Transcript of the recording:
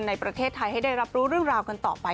ในประเทศไทยให้ได้รับรู้เรื่องราวกันต่อไป